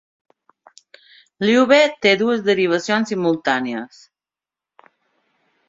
"Lyube" té dues derivacions simultànies.